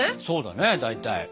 そうだね大体。